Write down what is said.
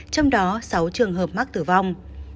trong đó sáu trường hợp mắc tử vong